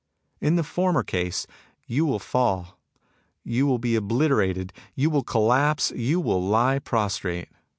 In the former case, you will fall, you will be obliterated, you will collapse, you will lie prostrate.